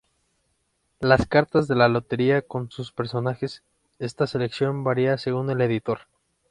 Las cartas de la lotería con sus personajes, esta selección varía según el editor.